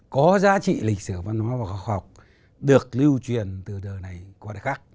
có giá trị lịch sử văn hóa và khoa học được lưu truyền từ đời này qua đời khác